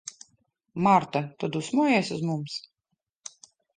Marta, tu dusmojies uz mums?